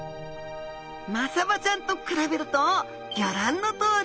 マサバちゃんと比べるとギョ覧のとおり。